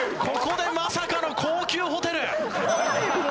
ここでまさかの高級ホテル！